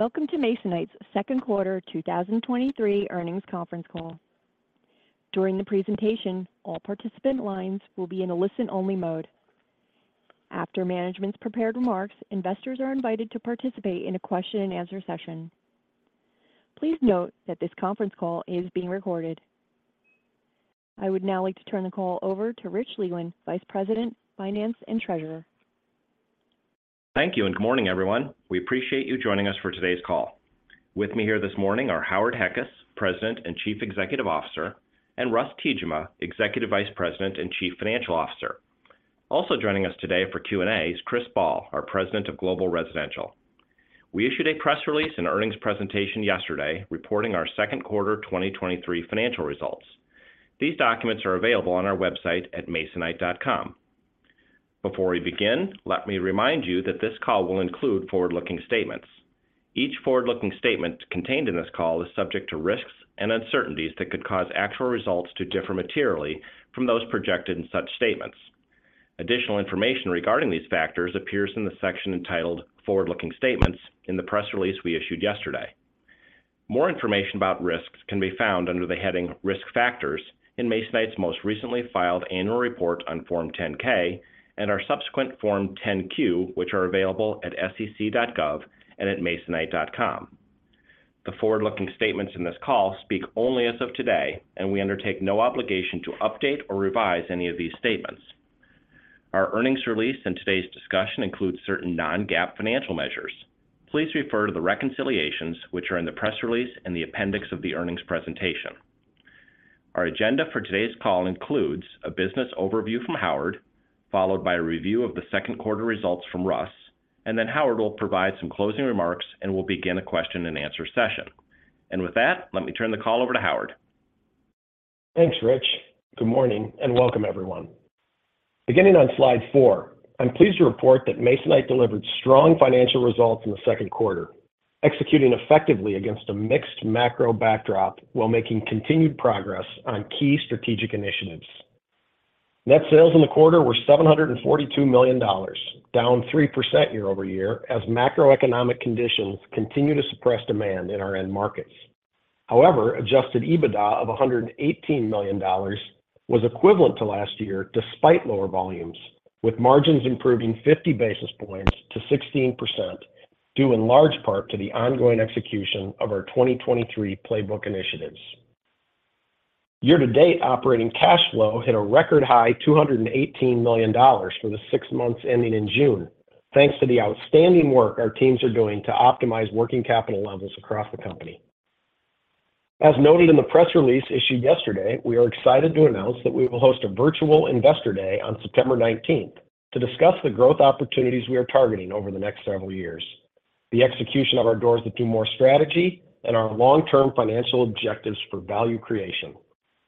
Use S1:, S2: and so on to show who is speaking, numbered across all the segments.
S1: Welcome to Masonite's second quarter 2023 earnings conference call. During the presentation, all participant lines will be in a listen-only mode. After management's prepared remarks, investors are invited to participate in a question-and-answer session. Please note that this conference call is being recorded. I would now like to turn the call over to Rich Leland, Vice President, Finance, and Treasurer.
S2: Thank you. Good morning, everyone. We appreciate you joining us for today's call. With me here this morning are Howard Heckes, President and Chief Executive Officer, and Russ Tiejema, Executive Vice President and Chief Financial Officer. Also joining us today for Q&A is Chris Ball, our President of Global Residential. We issued a press release and earnings presentation yesterday, reporting our second quarter 2023 financial results. These documents are available on our website at masonite.com. Before we begin, let me remind you that this call will include forward-looking statements. Each forward-looking statement contained in this call is subject to risks and uncertainties that could cause actual results to differ materially from those projected in such statements. Additional information regarding these factors appears in the section entitled forward-looking statements in the press release we issued yesterday. More information about risks can be found under the heading Risk Factors in Masonite's most recently filed annual report on Form 10-K and our subsequent Form 10-Q, which are available at sec.gov and at masonite.com. The forward-looking statements in this call speak only as of today. We undertake no obligation to update or revise any of these statements. Our earnings release in today's discussion includes certain non-GAAP financial measures. Please refer to the reconciliations, which are in the press release in the appendix of the earnings presentation. Our agenda for today's call includes: a business overview from Howard, followed by a review of the second quarter results from Russ, and then Howard will provide some closing remarks and will begin a question-and-answer session. With that, let me turn the call over to Howard.
S3: Thanks, Rich. Good morning, and welcome everyone. Beginning on slide four, I'm pleased to report that Masonite delivered strong financial results in the second quarter, executing effectively against a mixed macro backdrop while making continued progress on key strategic initiatives. Net sales in the quarter were $742 million, down 3% year-over-year, as macroeconomic conditions continue to suppress demand in our end markets. Adjusted EBITDA of $118 million was equivalent to last year, despite lower volumes, with margins improving 50 basis points to 16%, due in large part to the ongoing execution of our 2023 playbook initiatives. Year-to-date operating cash flow hit a record high $218 million for the six months ending in June, thanks to the outstanding work our teams are doing to optimize working capital levels across the company. As noted in the press release issued yesterday, we are excited to announce that we will host a virtual Investor Day on September 19th to discuss the growth opportunities we are targeting over the next several years, the execution of our Doors That Do More strategy, and our long-term financial objectives for value creation.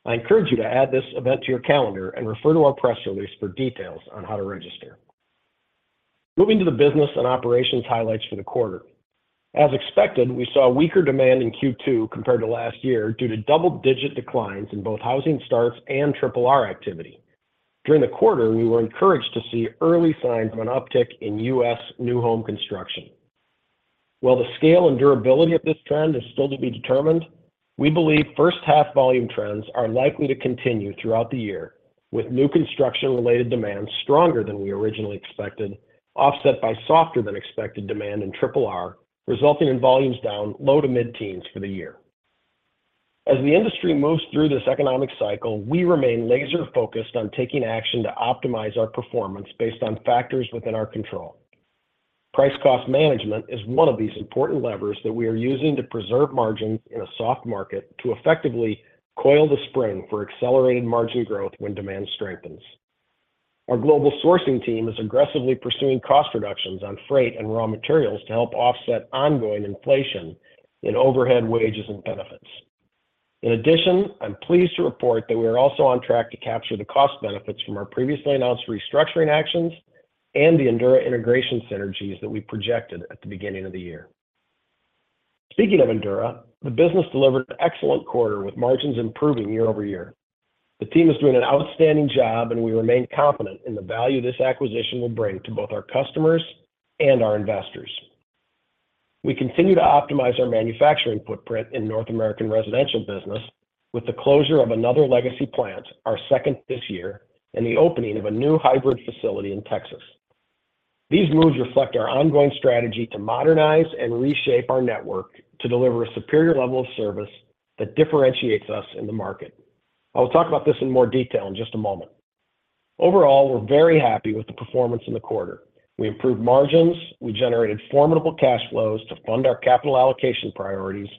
S3: I encourage you to add this event to your calendar and refer to our press release for details on how to register. Moving to the business and operations highlights for the quarter. As expected, we saw weaker demand in Q2 compared to last year due to double-digit declines in both housing starts and RRR activity. During the quarter, we were encouraged to see early signs of an uptick in U.S. new home construction. While the scale and durability of this trend is still to be determined, we believe first half volume trends are likely to continue throughout the year, with new construction-related demand stronger than we originally expected, offset by softer than expected demand in RRR, resulting in volumes down low to mid-teens for the year. As the industry moves through this economic cycle, we remain laser-focused on taking action to optimize our performance based on factors within our control. Price-cost management is one of these important levers that we are using to preserve margins in a soft market to effectively coil the spring for accelerated margin growth when demand strengthens. Our global sourcing team is aggressively pursuing cost reductions on freight and raw materials to help offset ongoing inflation in overhead wages and benefits. In addition, I'm pleased to report that we are also on track to capture the cost benefits from our previously announced restructuring actions and the Endura integration synergies that we projected at the beginning of the year. Speaking of Endura, the business delivered an excellent quarter with margins improving year-over-year. The team is doing an outstanding job, and we remain confident in the value this acquisition will bring to both our customers and our investors. We continue to optimize our manufacturing footprint in North American Residential business with the closure of another legacy plant, our second this year, and the opening of a new hybrid facility in Texas. These moves reflect our ongoing strategy to modernize and reshape our network to deliver a superior level of service that differentiates us in the market. I will talk about this in more detail in just a moment. Overall, we're very happy with the performance in the quarter. We improved margins, we generated formidable cash flows to fund our capital allocation priorities,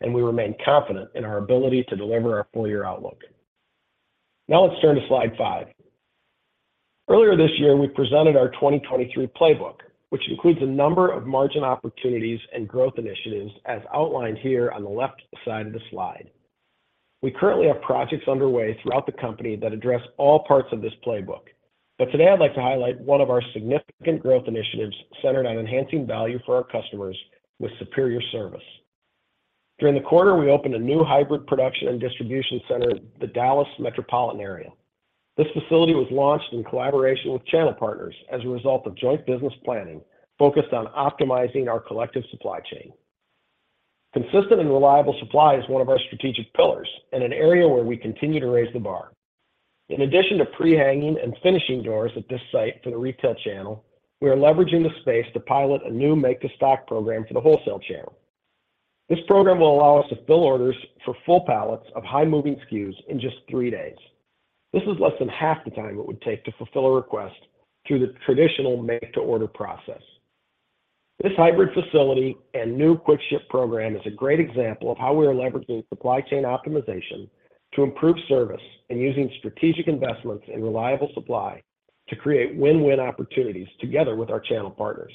S3: and we remain confident in our ability to deliver our full-year outlook. Now, let's turn to slide five. Earlier this year, we presented our 2023 playbook, which includes a number of margin opportunities and growth initiatives, as outlined here on the left side of the slide. Today I'd like to highlight one of our significant growth initiatives centered on enhancing value for our customers with superior service.... During the quarter, we opened a new hybrid production and distribution center in the Dallas metropolitan area. This facility was launched in collaboration with channel partners as a result of joint business planning focused on optimizing our collective supply chain. Consistent and reliable supply is one of our strategic pillars and an area where we continue to raise the bar. In addition to pre-hanging and finishing doors at this site for the retail channel, we are leveraging the space to pilot a new make-to-stock program for the wholesale channel. This program will allow us to fill orders for full pallets of high-moving SKUs in just three days. This is less than half the time it would take to fulfill a request through the traditional make-to-order process. This hybrid facility and new quick ship program is a great example of how we are leveraging supply chain optimization to improve service, and using strategic investments and reliable supply to create win-win opportunities together with our channel partners.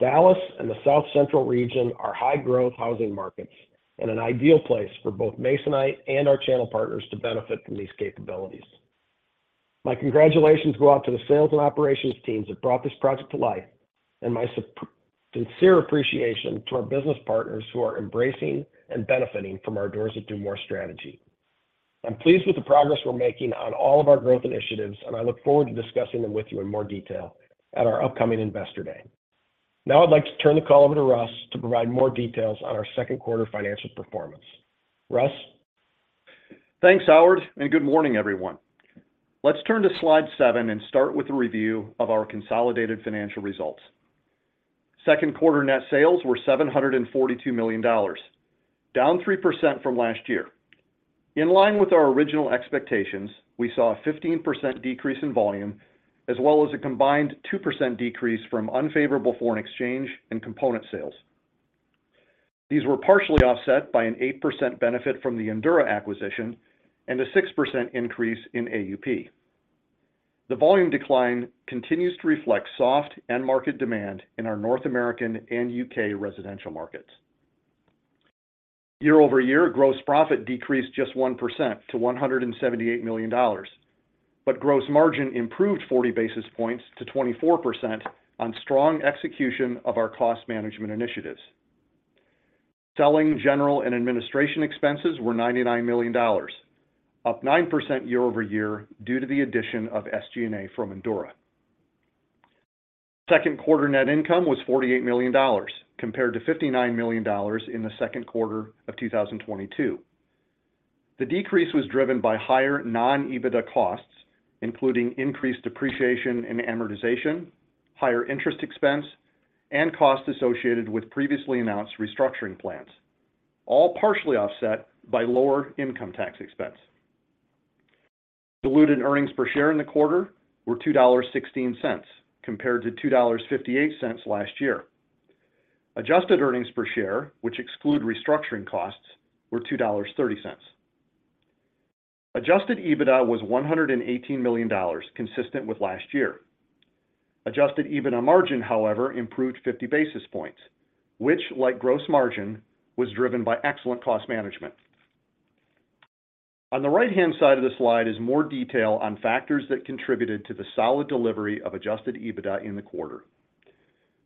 S3: Dallas and the South Central region are high-growth housing markets and an ideal place for both Masonite and our channel partners to benefit from these capabilities. My congratulations go out to the sales and operations teams that brought this project to life, and my sincere appreciation to our business partners who are embracing and benefiting from our Doors That Do More strategy. I'm pleased with the progress we're making on all of our growth initiatives, and I look forward to discussing them with you in more detail at our upcoming Investor Day. I'd like to turn the call over to Russ to provide more details on our second quarter financial performance. Russ?
S4: Thanks, Howard. Good morning, everyone. Let's turn to slide seven and start with a review of our consolidated financial results. Second quarter net sales were $742 million, down 3% from last year. In line with our original expectations, we saw a 15% decrease in volume, as well as a combined 2% decrease from unfavorable foreign exchange and component sales. These were partially offset by an 8% benefit from the Endura acquisition and a 6% increase in AUP. The volume decline continues to reflect soft end market demand in our North American and U.K. residential markets. Year-over-year, gross profit decreased just 1% to $178 million. Gross margin improved 40 basis points to 24% on strong execution of our cost management initiatives. Selling, general, and administration expenses were $99 million, up 9% year-over-year due to the addition of SG&A from Endura. Second quarter net income was $48 million, compared to $59 million in the second quarter of 2022. The decrease was driven by higher non-EBITDA costs, including increased depreciation and amortization, higher interest expense, and costs associated with previously announced restructuring plans, all partially offset by lower income tax expense. Diluted earnings per share in the quarter were $2.16, compared to $2.58 last year. Adjusted earnings per share, which exclude restructuring costs, were $2.30. Adjusted EBITDA was $118 million, consistent with last year. Adjusted EBITDA margin, however, improved 50 basis points, which, like gross margin, was driven by excellent cost management. On the right-hand side of the slide is more detail on factors that contributed to the solid delivery of Adjusted EBITDA in the quarter.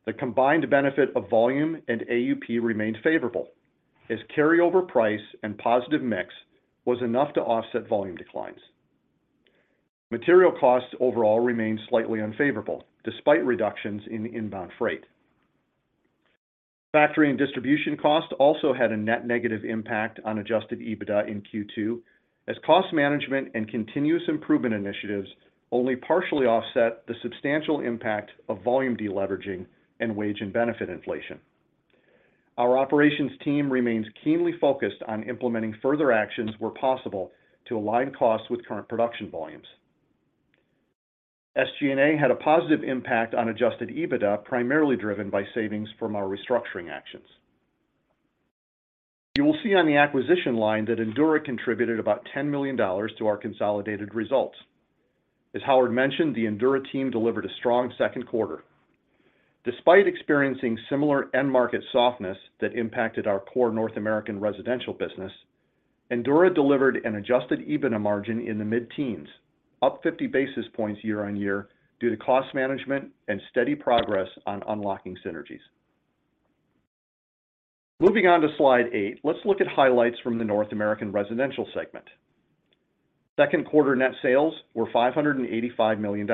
S4: The combined benefit of volume and AUP remained favorable, as carryover price and positive mix was enough to offset volume declines. Material costs overall remained slightly unfavorable, despite reductions in inbound freight. Factory and distribution costs also had a net negative impact on Adjusted EBITDA in Q2, as cost management and continuous improvement initiatives only partially offset the substantial impact of volume deleveraging and wage and benefit inflation. Our operations team remains keenly focused on implementing further actions where possible to align costs with current production volumes. SG&A had a positive impact on Adjusted EBITDA, primarily driven by savings from our restructuring actions. You will see on the acquisition line that Endura contributed about $10 million to our consolidated results. As Howard mentioned, the Endura team delivered a strong second quarter. Despite experiencing similar end market softness that impacted our core North American residential business, Endura delivered an Adjusted EBITDA margin in the mid-teens, up 50 basis points year-on-year, due to cost management and steady progress on unlocking synergies. Moving on to slide eight, let's look at highlights from the North American Residential segment. Second quarter net sales were $585 million.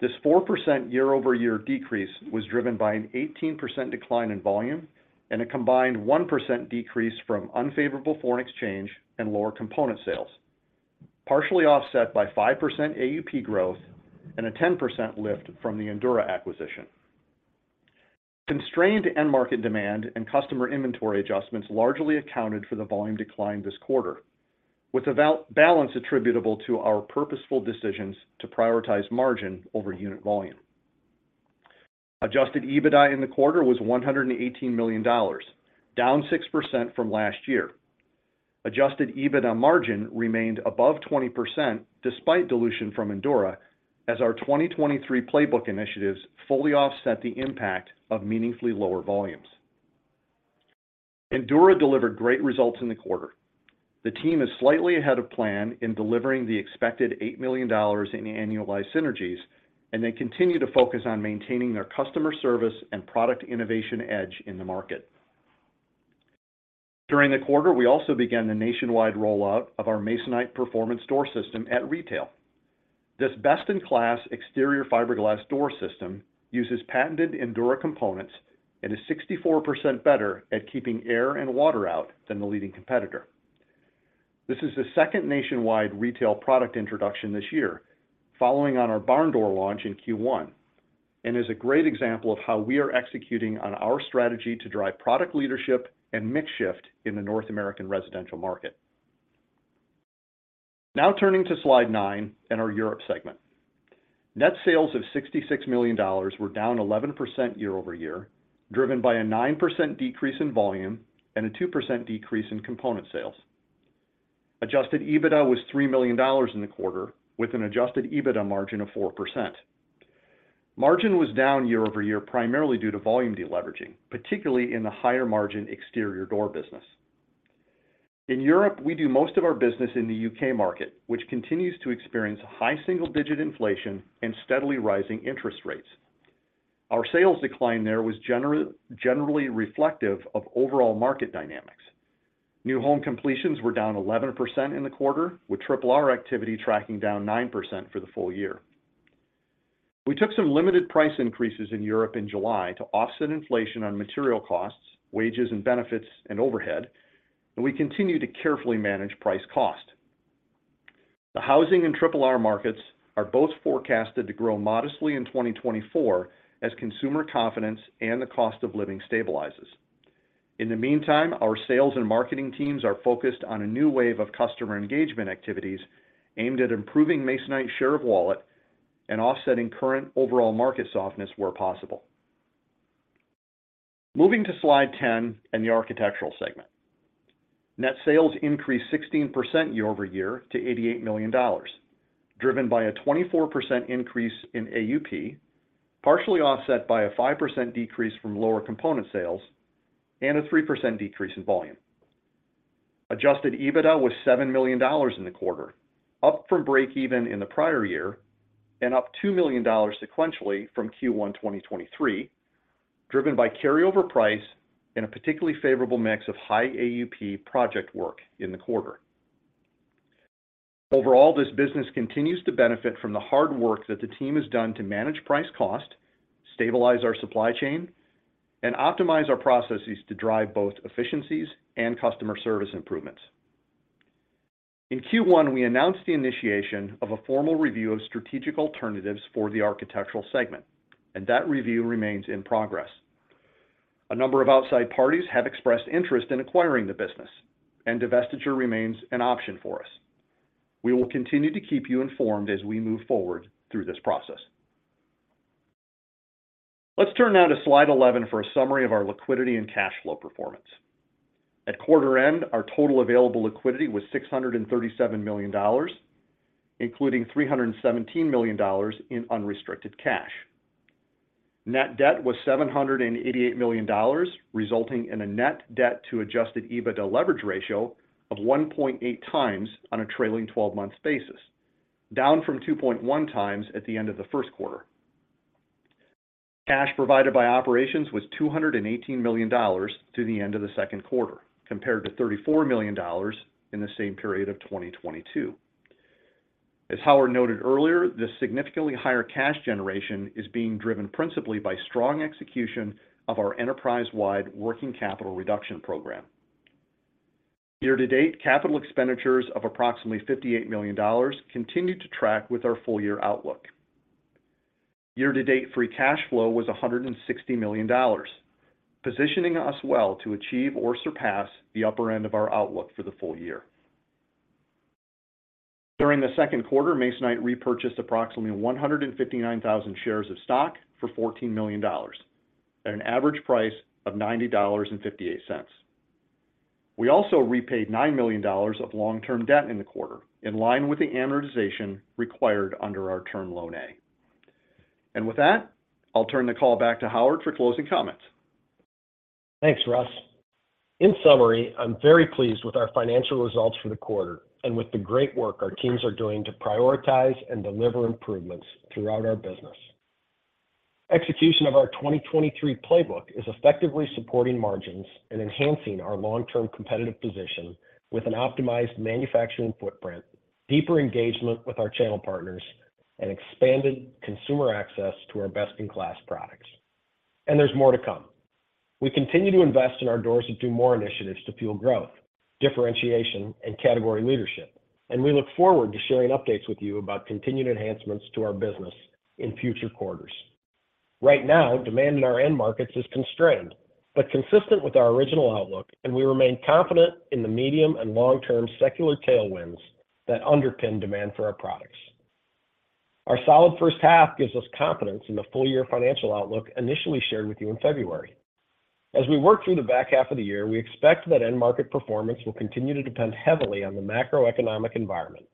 S4: This 4% year-over-year decrease was driven by an 18% decline in volume and a combined 1% decrease from unfavorable foreign exchange and lower component sales, partially offset by 5% AUP growth and a 10% lift from the Endura acquisition. Constrained end market demand and customer inventory adjustments largely accounted for the volume decline this quarter, with a balance attributable to our purposeful decisions to prioritize margin over unit volume. Adjusted EBITDA in the quarter was $118 million, down 6% from last year. Adjusted EBITDA margin remained above 20% despite dilution from Endura, as our 2023 playbook initiatives fully offset the impact of meaningfully lower volumes. Endura delivered great results in the quarter. The team is slightly ahead of plan in delivering the expected $8 million in annualized synergies, and they continue to focus on maintaining their customer service and product innovation edge in the market. During the quarter, we also began the nationwide rollout of our Masonite Performance Door System at retail. This best-in-class exterior fiberglass door system uses patented Endura components and is 64% better at keeping air and water out than the leading competitor. This is the second nationwide retail product introduction this year, following on our barn door launch in Q1, is a great example of how we are executing on our strategy to drive product leadership and mix shift in the North American residential market. Now turning to slide nine and our Europe segment. Net sales of $66 million were down 11% year-over-year, driven by a 9% decrease in volume and a 2% decrease in component sales. Adjusted EBITDA was $3 million in the quarter, with an Adjusted EBITDA margin of 4%. Margin was down year-over-year, primarily due to volume deleveraging, particularly in the higher-margin exterior door business. In Europe, we do most of our business in the U.K. market, which continues to experience high single-digit inflation and steadily rising interest rates. Our sales decline there was generally reflective of overall market dynamics. New home completions were down 11% in the quarter, with RRR activity tracking down 9% for the full year. We took some limited price increases in Europe in July to offset inflation on material costs, wages and benefits, and overhead, and we continue to carefully manage price cost. The housing and RRR markets are both forecasted to grow modestly in 2024 as consumer confidence and the cost of living stabilizes. In the meantime, our sales and marketing teams are focused on a new wave of customer engagement activities aimed at improving Masonite's share of wallet and offsetting current overall market softness where possible. Moving to slide 10 and the Architectural segment. Net sales increased 16% year-over-year to $88 million, driven by a 24% increase in AUP, partially offset by a 5% decrease from lower component sales and a 3% decrease in volume. Adjusted EBITDA was $7 million in the quarter, up from break even in the prior year and up $2 million sequentially from Q1 2023, driven by carryover price and a particularly favorable mix of high AUP project work in the quarter. Overall, this business continues to benefit from the hard work that the team has done to manage price cost, stabilize our supply chain, and optimize our processes to drive both efficiencies and customer service improvements. In Q1, we announced the initiation of a formal review of strategic alternatives for the Architectural segment, and that review remains in progress. A number of outside parties have expressed interest in acquiring the business, and divestiture remains an option for us. We will continue to keep you informed as we move forward through this process. Let's turn now to slide 11 for a summary of our liquidity and cash flow performance. At quarter end, our total available liquidity was $637 million, including $317 million in unrestricted cash. Net debt was $788 million, resulting in a net debt to Adjusted EBITDA leverage ratio of 1.8x on a trailing 12-month basis, down from 2.1x at the end of the first quarter. Cash provided by operations was $218 million through the end of the second quarter, compared to $34 million in the same period of 2022. As Howard noted earlier, this significantly higher cash generation is being driven principally by strong execution of our enterprise-wide working capital reduction program. Year to date, capital expenditures of approximately $58 million continued to track with our full year outlook. Year to date free cash flow was $160 million, positioning us well to achieve or surpass the upper end of our outlook for the full year. During the second quarter, Masonite repurchased approximately 159,000 shares of stock for $14 million at an average price of $90.58. We also repaid $9 million of long-term debt in the quarter, in line with the amortization required under our Term Loan A. With that, I'll turn the call back to Howard for closing comments.
S3: Thanks, Russ. In summary, I'm very pleased with our financial results for the quarter and with the great work our teams are doing to prioritize and deliver improvements throughout our business. Execution of our 2023 playbook is effectively supporting margins and enhancing our long-term competitive position with an optimized manufacturing footprint, deeper engagement with our channel partners, and expanded consumer access to our best-in-class products. There's more to come. We continue to invest in our Doors That Do More initiatives to fuel growth, differentiation, and category leadership, and we look forward to sharing updates with you about continued enhancements to our business in future quarters. Right now, demand in our end markets is constrained but consistent with our original outlook, and we remain confident in the medium and long-term secular tailwinds that underpin demand for our products. Our solid first half gives us confidence in the full-year financial outlook initially shared with you in February. As we work through the back half of the year, we expect that end market performance will continue to depend heavily on the macroeconomic environment.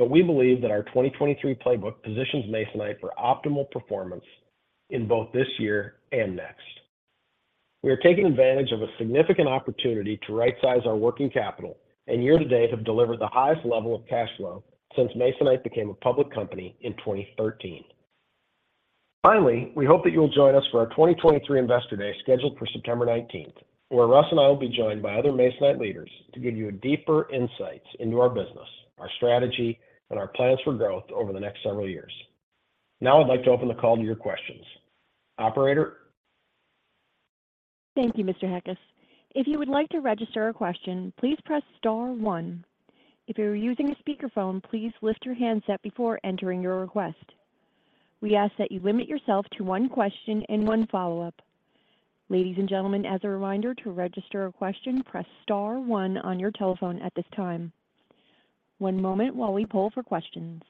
S3: We believe that our 2023 playbook positions Masonite for optimal performance in both this year and next. We are taking advantage of a significant opportunity to rightsize our working capital, and year-to-date have delivered the highest level of cash flow since Masonite became a public company in 2013. Finally, we hope that you'll join us for our 2023 Investor Day, scheduled for September 19th, where Russ and I will be joined by other Masonite leaders to give you a deeper insights into our business, our strategy, and our plans for growth over the next several years. Now, I'd like to open the call to your questions. Operator?
S1: Thank you, Mr. Heckes. If you would like to register a question, please press star one. If you're using a speakerphone, please lift your handset before entering your request. We ask that you limit yourself to one question and one follow-up. Ladies and gentlemen, as a reminder, to register a question, press star one on your telephone at this time. One moment while we poll for questions.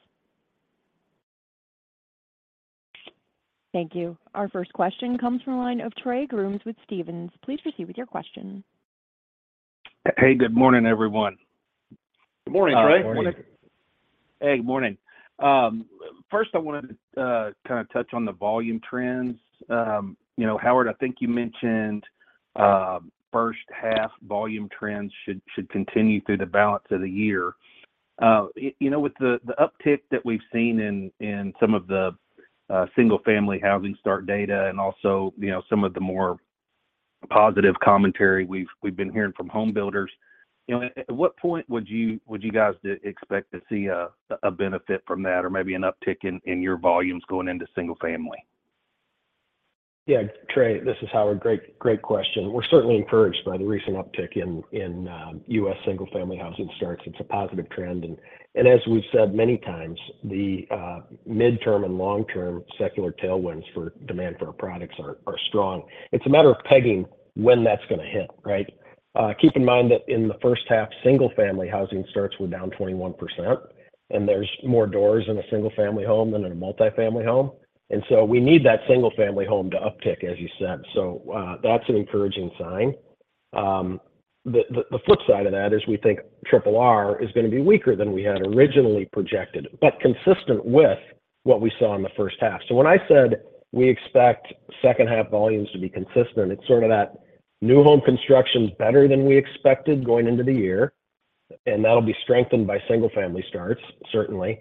S1: Thank you. Our first question comes from the line of Trey Grooms with Stephens. Please proceed with your question.
S5: Hey, good morning, everyone.
S3: Good morning, Trey.
S6: Hi. Good morning.
S5: Hey, good morning. First I wanted to, kinda touch on the volume trends. You know, Howard, I think you mentioned, first half volume trends should, should continue through the balance of the year. You know, with the, the uptick that we've seen in, in some of the, single family housing start data and also, you know, some of the more positive commentary we've, we've been hearing from home builders, you know, at, at what point would you, would you guys expect to see a, a benefit from that, or maybe an uptick in, in your volumes going into single family?
S3: Yeah, Trey, this is Howard. Great, great question. We're certainly encouraged by the recent uptick in, in U.S. single family housing starts. It's a positive trend. As we've said many times, the midterm and long-term secular tailwinds for demand for our products are strong. It's a matter of pegging when that's gonna hit, right? Keep in mind that in the first half, single family housing starts were down 21%, and there's more doors in a single family home than in a multifamily home, and so we need that single family home to uptick, as you said. That's an encouraging sign. The flip side of that is we think RRR is gonna be weaker than we had originally projected, but consistent with what we saw in the first half. When I said we expect second half volumes to be consistent, it's sort of that new home construction's better than we expected going into the year, and that'll be strengthened by single family starts, certainly.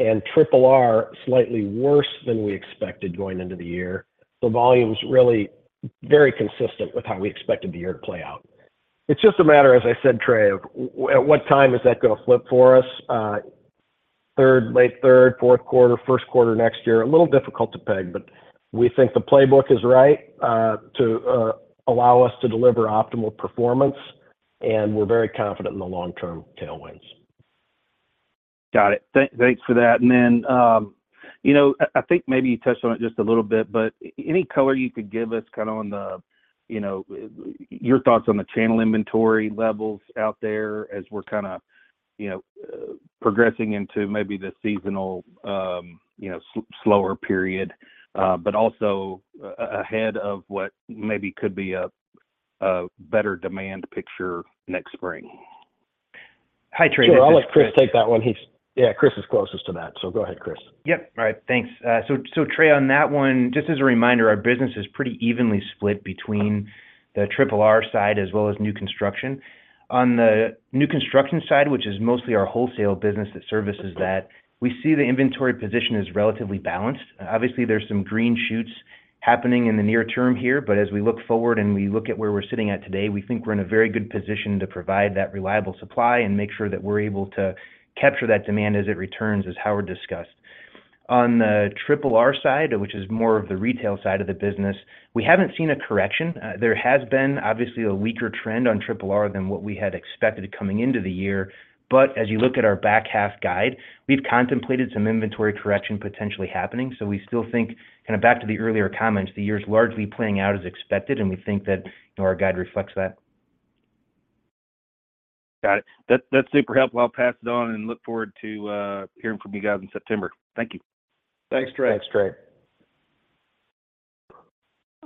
S3: RRR, slightly worse than we expected going into the year. Volume's really very consistent with how we expect the year to play out. It's just a matter, as I said, Trey, of at what time is that gonna flip for us? Third, late third, fourth quarter, first quarter next year. A little difficult to peg, but we think the playbook is right to allow us to deliver optimal performance, and we're very confident in the long-term tailwinds.
S5: Got it. Thanks for that. Then, you know, I, I think maybe you touched on it just a little bit, but any color you could give us kinda on the, you know, your thoughts on the channel inventory levels out there as we're kind of, you know, progressing into maybe the seasonal, slower period, but also ahead of what maybe could be a, a better demand picture next spring?
S6: Hi, Trey, this is Chris-
S3: Sure, I'll let Chris take that one. He's... Yeah, Chris is closest to that, so go ahead, Chris.
S6: Yep. All right, thanks. So, Trey, on that one, just as a reminder, our business is pretty evenly split between the RRR side as well as new construction. On the new construction side, which is mostly our wholesale business that services that, we see the inventory position is relatively balanced. Obviously, there's some green shoots happening in the near term here, but as we look forward and we look at where we're sitting at today, we think we're in a very good position to provide that reliable supply and make sure that we're able to capture that demand as it returns, as Howard discussed. On the RRR side, which is more of the retail side of the business, we haven't seen a correction. There has been obviously a weaker trend on RRR than what we had expected coming into the year, but as you look at our back half guide, we've contemplated some inventory correction potentially happening, so we still think, kinda back to the earlier comments, the year is largely playing out as expected, and we think that, you know, our guide reflects that.
S5: Got it. That, that's super helpful. I'll pass it on and look forward to hearing from you guys in September. Thank you.
S3: Thanks, Trey.
S6: Thanks, Trey.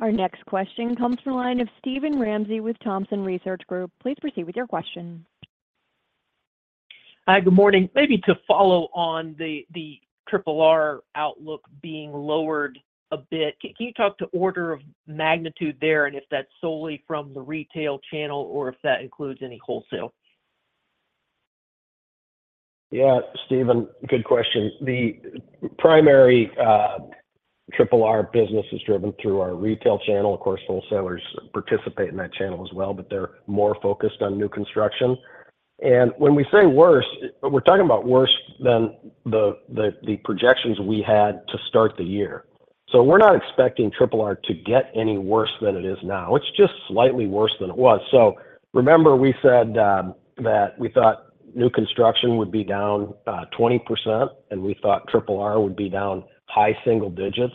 S1: Our next question comes from the line of Steven Ramsey with Thompson Research Group. Please proceed with your question.
S7: Hi, good morning. Maybe to follow on the, the RRR outlook being lowered a bit, can you talk to order of magnitude there, and if that's solely from the retail channel or if that includes any wholesale?
S3: Yeah, Steven, good question. The primary RRR business is driven through our retail channel. Of course, wholesalers participate in that channel as well, but they're more focused on new construction. When we say worse, we're talking about worse than the projections we had to start the year. We're not expecting RRR to get any worse than it is now. It's just slightly worse than it was. Remember we said that we thought new construction would be down 20%, and we thought RRR would be down high single digits.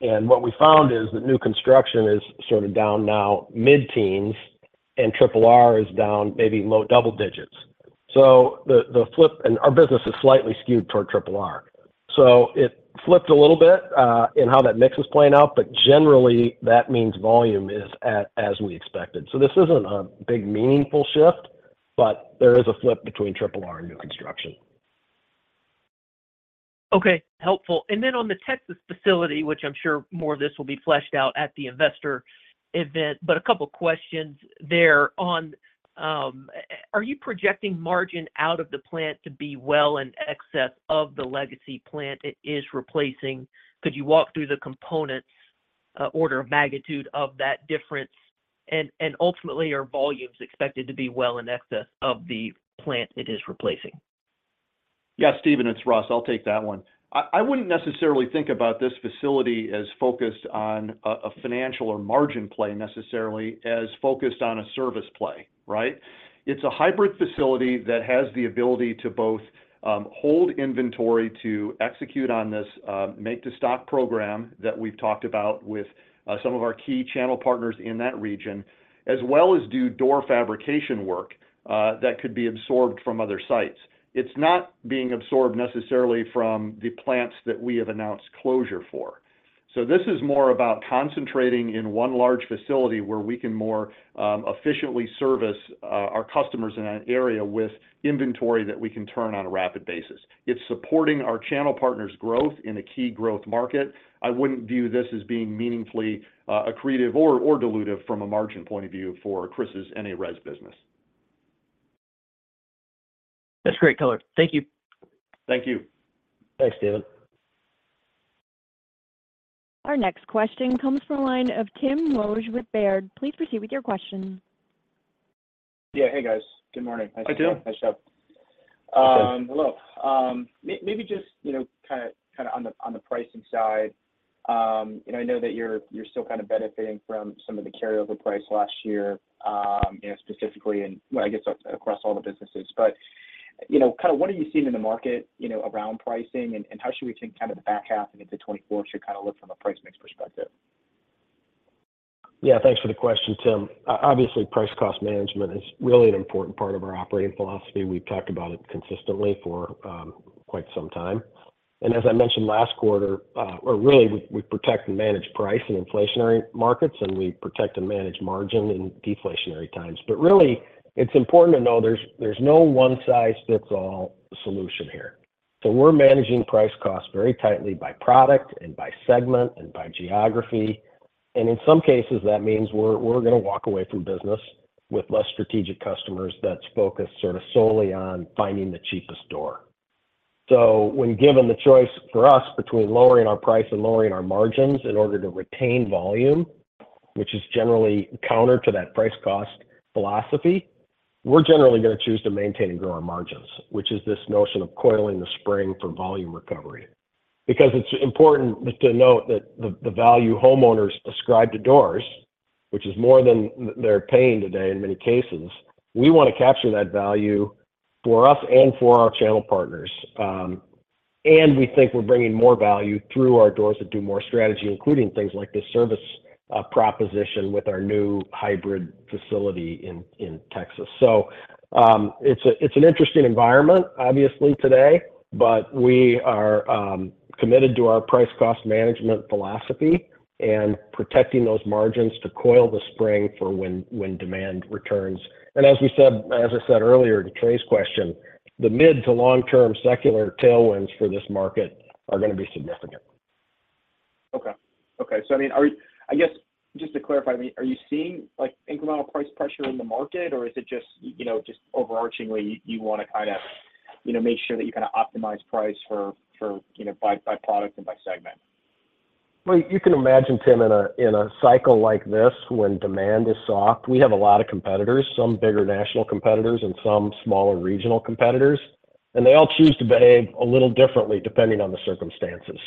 S3: What we found is that new construction is sort of down now mid-teens, and RRR is down maybe low double digits. The flip... Our business is slightly skewed toward RRR, so it flipped a little bit, in how that mix is playing out, but generally, that means volume is at as we expected. This isn't a big, meaningful shift, but there is a flip between RRR and new construction.
S7: Okay, helpful. Then on the Texas facility, which I'm sure more of this will be fleshed out at the investor event, but a couple questions there on, are you projecting margin out of the plant to be well in excess of the legacy plant it is replacing? Could you walk through the components, order of magnitude of that difference? Ultimately, are volumes expected to be well in excess of the plant it is replacing?
S4: Yeah, Steven, it's Russ. I'll take that one. I, I wouldn't necessarily think about this facility as focused on a, a financial or margin play necessarily, as focused on a service play, right? It's a hybrid facility that has the ability to both hold inventory to execute on this make-to-stock program that we've talked about with some of our key channel partners in that region, as well as do door fabrication work that could be absorbed from other sites. It's not being absorbed necessarily from the plants that we have announced closure for. This is more about concentrating in one large facility where we can more efficiently service our, our customers in that area with inventory that we can turn on a rapid basis. It's supporting our channel partners' growth in a key growth market. I wouldn't view this as being meaningfully accretive or, or dilutive from a margin point of view for Chris's NA Res business.
S7: That's great color. Thank you.
S4: Thank you.
S3: Thanks, Steven.
S1: Our next question comes from the line of Tim Wojs with Baird. Please proceed with your question.
S8: Yeah. Hey, guys. Good morning.
S4: Hi, Tim.
S8: Hi, sup.
S3: Hey.
S8: Hello. Maybe just, you know, kinda on the pricing side, I know that you're still kind of benefiting from some of the carryover price last year, you know, specifically in well, I guess across all the businesses. You know, kind of what are you seeing in the market, you know, around pricing? How should we think kind of the back half into 2024 should kinda look from a price mix perspective?
S3: Yeah, thanks for the question, Tim. Obviously, price cost management is really an important part of our operating philosophy. We've talked about it consistently for quite some time. As I mentioned last quarter, or really, we, we protect and manage price in inflationary markets, and we protect and manage margin in deflationary times. Really, it's important to know there's, there's no one-size-fits-all solution here. We're managing price cost very tightly by product, and by segment, and by geography. In some cases, that means we're, we're gonna walk away from business with less strategic customers that's focused sort of solely on finding the cheapest door. When given the choice for us between lowering our price and lowering our margins in order to retain volume, which is generally counter to that price cost philosophy, we're generally gonna choose to maintain and grow our margins, which is this notion of coiling the spring for volume recovery. It's important to note that the, the value homeowners ascribe to doors, which is more than they're paying today in many cases, we wanna capture that value for us and for our channel partners. We think we're bringing more value through our Doors That Do More strategy, including things like this service proposition with our new hybrid facility in, in Texas. It's a, it's an interesting environment, obviously, today, but we are committed to our price cost management philosophy and protecting those margins to coil the spring for when, when demand returns. as I said earlier to Trey's question, the mid to long-term secular tailwinds for this market are gonna be significant.
S8: Okay. Okay, I mean, I guess, just to clarify, I mean, are you seeing, like, incremental price pressure in the market, or is it just, you know, just overarchingly, you want to kind of, you know, make sure that you kind of optimize price for, for, you know, by, by product and by segment?
S3: Well, you can imagine, Tim, in a cycle like this, when demand is soft, we have a lot of competitors, some bigger national competitors and some smaller regional competitors, and they all choose to behave a little differently depending on the circumstances.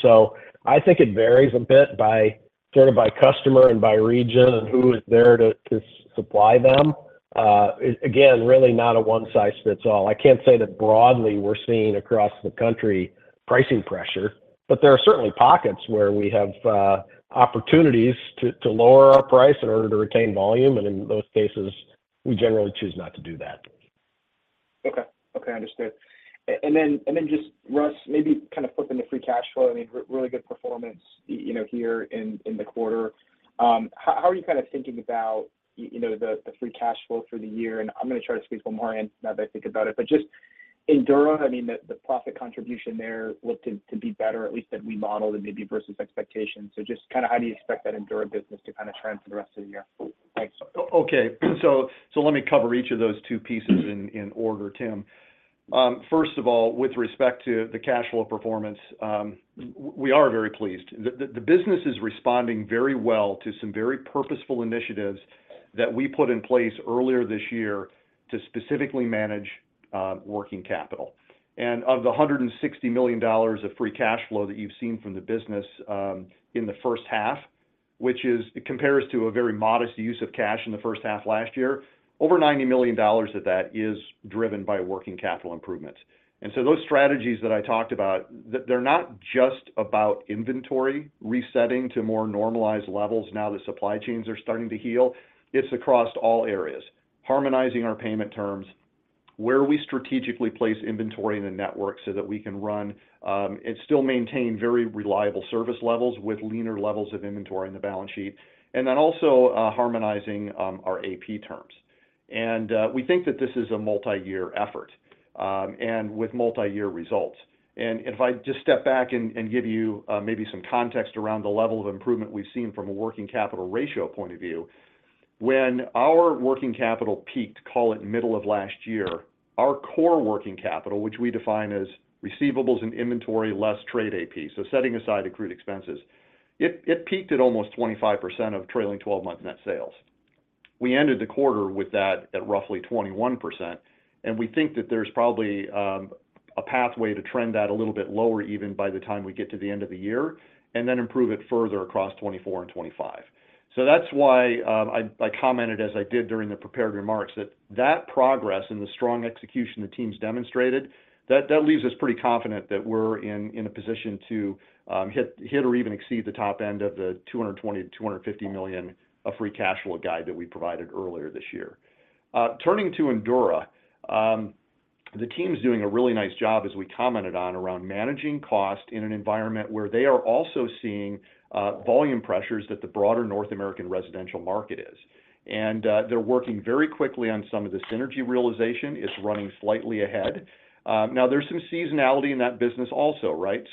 S3: I think it varies a bit by sort of by customer and by region and who is there to, to supply them. Again, really not a one-size-fits-all. I can't say that broadly we're seeing across the country pricing pressure, but there are certainly pockets where we have opportunities to, to lower our price in order to retain volume, and in those cases, we generally choose not to do that.
S8: Okay. Okay, understood. Then just Russ, maybe kind of flipping to free cash flow, I mean, really good performance, you know, here in, in the quarter. How are you kind of thinking about, you know, the free cash flow through the year? I'm gonna try to squeeze one more in now that I think about it. Just Endura, I mean, the profit contribution there looked to be better, at least that we modeled it maybe versus expectations. Just kind of how do you expect that Endura business to kind of trend for the rest of the year? Thanks.
S4: Okay, so let me cover each of those two pieces in order, Tim. First of all, with respect to the cash flow performance, we are very pleased. The business is responding very well to some very purposeful initiatives that we put in place earlier this year to specifically manage working capital. Of the $160 million of free cash flow that you've seen from the business in the first half, which compares to a very modest use of cash in the first half last year. Over $90 million of that is driven by working capital improvements. Those strategies that I talked about, they're not just about inventory resetting to more normalized levels now that supply chains are starting to heal. It's across all areas, harmonizing our payment terms, where we strategically place inventory in the network so that we can run, and still maintain very reliable service levels with leaner levels of inventory on the balance sheet, and then also, harmonizing, our AP terms. We think that this is a multi-year effort, and with multi-year results. If I just step back and, and give you, maybe some context around the level of improvement we've seen from a working capital ratio point of view, when our working capital peaked, call it middle of last year, our core working capital, which we define as receivables and inventory, less trade AP, so setting aside accrued expenses, it, it peaked at almost 25% of trailing 12-month net sales. We ended the quarter with that at roughly 21%, and we think that there's probably a pathway to trend that a little bit lower, even by the time we get to the end of the year, and then improve it further across 2024 and 2025. That's why I, I commented, as I did during the prepared remarks, that that progress and the strong execution the team's demonstrated, that, that leaves us pretty confident that we're in, in a position to hit, hit or even exceed the top end of the $220 million-$250 million of free cash flow guide that we provided earlier this year. Turning to Endura, the team's doing a really nice job, as we commented on, around managing cost in an environment where they are also seeing volume pressures that the broader North American Residential market is. They're working very quickly on some of the synergy realization. It's running slightly ahead. Now, there's some seasonality in that business also, right?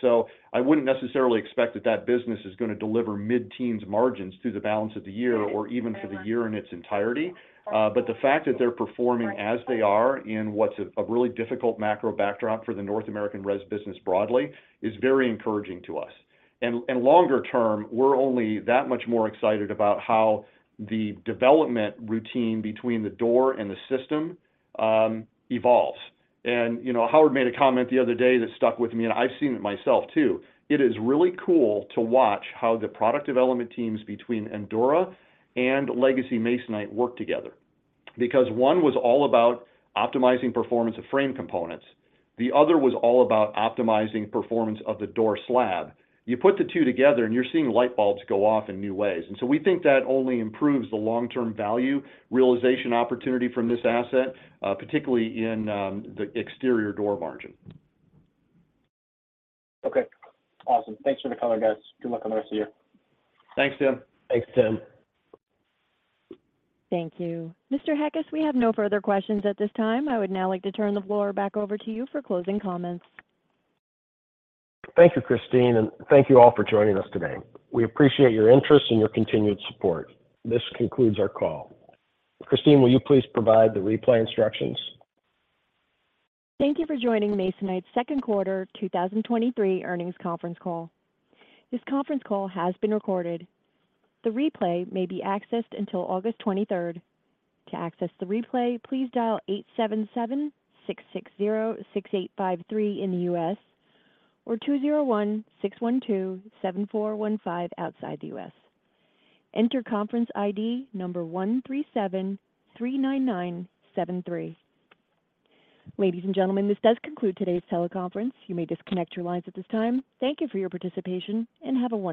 S4: I wouldn't necessarily expect that that business is gonna deliver mid-teens margins through the balance of the year or even for the year in its entirety. But the fact that they're performing as they are in what's a really difficult macro backdrop for the North American res business broadly is very encouraging to us. Longer term, we're only that much more excited about how the development routine between the door and the system evolves. You know, Howard made a comment the other day that stuck with me, and I've seen it myself, too. It is really cool to watch how the product development teams between Endura and Legacy Masonite work together. Because one was all about optimizing performance of frame components, the other was all about optimizing performance of the door slab. You put the two together, and you're seeing light bulbs go off in new ways. We think that only improves the long-term value realization opportunity from this asset, particularly in the exterior door margin.
S8: Okay. Awesome. Thanks for the color, guys. Good luck on the rest of you.
S4: Thanks, Tim.
S3: Thanks, Tim.
S1: Thank you. Mr. Heckes, we have no further questions at this time. I would now like to turn the floor back over to you for closing comments.
S3: Thank you, Christine, and thank you all for joining us today. We appreciate your interest and your continued support. This concludes our call. Christine, will you please provide the replay instructions?
S1: Thank you for joining Masonite's second quarter 2023 earnings conference call. This conference call has been recorded. The replay may be accessed until August 23rd. To access the replay, please dial 877-660-6853 in the U.S., or 201-612-7415 outside the U.S. Enter conference ID number 13739973. Ladies and gentlemen, this does conclude today's teleconference. You may disconnect your lines at this time. Thank you for your participation. Have a wonderful day.